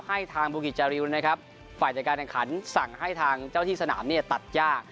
ให้ทางบูกิจจาริวนะครับฝ่ายจัดการแข่งขันสั่งให้ทางเจ้าที่สนามเนี่ยตัดยาก